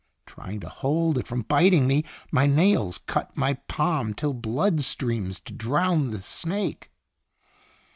Trying to hold it from biting me, my nails cut my palm till blood streams to drown the snake."